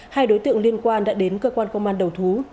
hai đối tượng liên quan đã đến cơ quan công an đầu thú